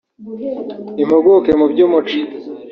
impuguke mu by’umuco